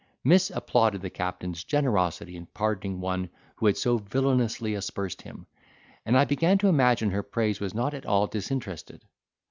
Miss applauded the Captain's generosity in pardoning one who had so villainously aspersed him, and I began to imagine her praise was not at all disinterested.